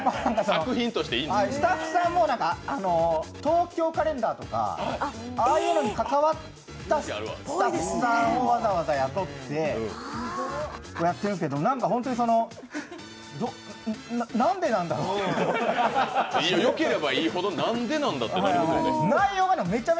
スタッフさんも「東京カレンダー」とか、ああいうのに関わったスタッフさんをわざわざ雇ってやってるんですけど、何か本当に、なんでなんだろうってよければいいほど、なんでなんだろうってなりますよね。